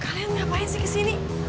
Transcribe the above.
kalian ngapain sih kesini